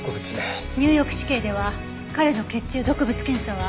ニューヨーク市警では彼の血中毒物検査は。